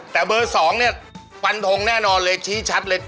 แต่เบอร์๒เนี่ยฟันทงแน่นอนเลยชี้ชัดเลย